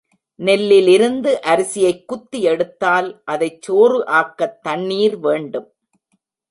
நெல்லிலிருந்து அரிசியைக் குத்தி எடுத்தால் அதைச் சோறு ஆக்கத் தண்ணீர் வேண்டும்.